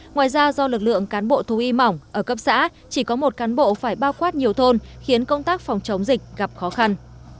ngoài ra do lực lượng cán bộ thú y mỏng ở cấp xã chỉ có một cán bộ phải bao quát nhiều thôn khiến công tác phòng chống dịch gặp khó khăn